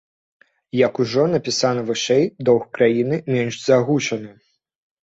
Як ужо напісана вышэй, доўг краіны менш за агучаны.